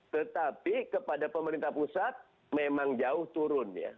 tetapi kepada pemerintah pusat memang jauh turun ya